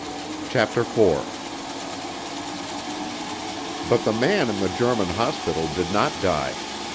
CHAPTER IV But the man in the German hospital did not die.